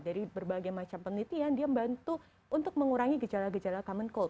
dari berbagai macam penelitian dia membantu untuk mengurangi gejala gejala common call